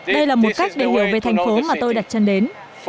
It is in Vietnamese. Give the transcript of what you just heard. đây là một cách để hiểu về thành phố mà tôi đặt chân đến